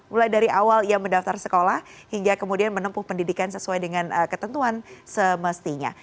mulai dari awal ia mendaftar sekolah hingga kemudian menempuh pendidikan sesuai dengan ketentuan semestinya